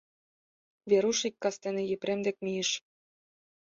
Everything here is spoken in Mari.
Веруш ик кастене Епрем дек мийыш.